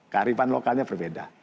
kearifan lokalnya berbeda